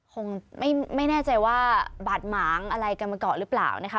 คงไม่แน่ใจว่าบาดหมางอะไรกันมาก่อนหรือเปล่านะคะ